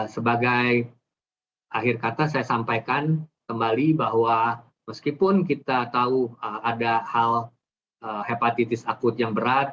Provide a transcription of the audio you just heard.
sebagai akhir kata saya sampaikan kembali bahwa meskipun kita tahu ada hal hepatitis akut yang berat